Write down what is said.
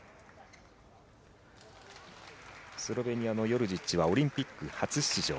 スロベニアのヨルジッチはオリンピック初出場。